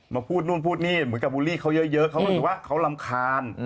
พูดนู่นพูดนี่เหมือนกับบูลลี่เขาเยอะเขารู้สึกว่าเขารำคาญ